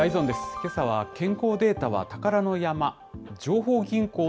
けさは健康データは宝の山？